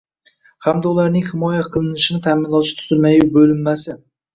hamda ularning himoya qilinishini ta’minlovchi tuzilmaviy bo‘linmasi